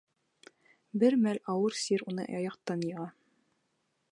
Бер мәл ауыр сир уны аяҡтан йыға.